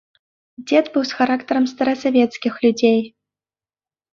Дзед быў з характарам старасвецкіх людзей.